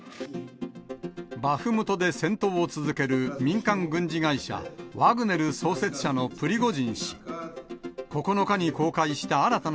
バフムトで戦闘を続ける民間軍事会社、ワグネル創設者のプリゴジン氏。